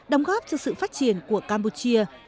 đồng góp cho sự phát triển của campuchia